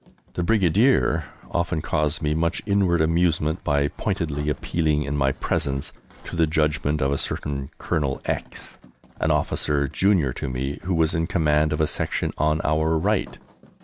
The Brigadier often caused me much inward amusement by pointedly appealing in my presence to the judgment of a certain Colonel X, an officer junior to me, who was in command of a section on our right.